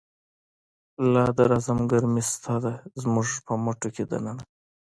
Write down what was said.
لا د رزم گرمی شته ده، زمونږ په مټو کی د ننه